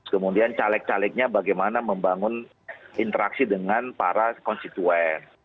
kemudian caleg calegnya bagaimana membangun interaksi dengan para konstituen